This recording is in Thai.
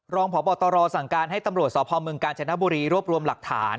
รองผบตรสั่งการให้ตำรวจสภมกจบรรวบรวมหลักฐาน